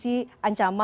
tidak berdiam diri